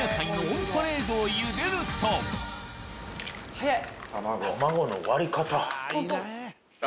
早い！